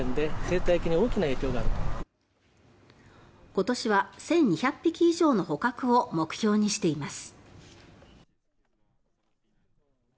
今年は１２００匹以上の捕獲を目標にしています。